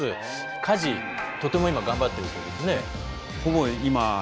家事とても今頑張ってるそうですね。